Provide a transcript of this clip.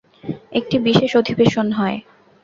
একটি বিশেষ অধিবেশন হয়।